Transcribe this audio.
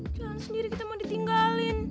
jualan sendiri kita mau ditinggalin